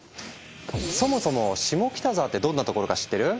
そもそも下北沢ってどんなところか知ってる？